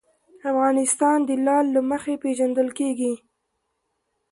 افغانستان د لعل له مخې پېژندل کېږي.